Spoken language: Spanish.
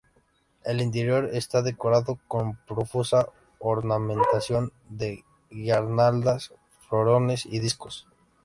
El interior está decorado con profusa ornamentación de guirnaldas, florones y discos.